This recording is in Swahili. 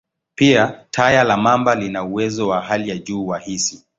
Pia, taya la mamba lina uwezo wa hali ya juu wa hisi.